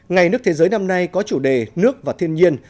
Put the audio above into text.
ngày nước thế giới năm nay có chủ đề nước và thiên nhiên